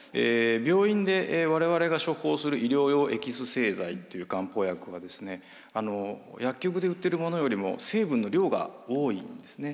病院で我々が処方する医療用エキス製剤という漢方薬は薬局で売ってるものよりも成分の量が多いんですね。